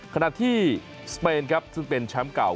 ขณะที่สเปนครับซึ่งเป็นแชมป์เก่า